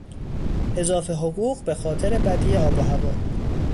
اضافه حقوق به خاطر بدی آب و هوا